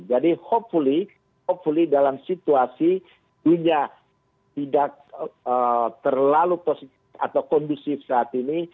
jadi semoga dalam situasi dunia tidak terlalu kondusif saat ini